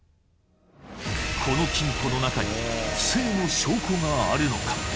この金庫の中に不正の証拠があるのか？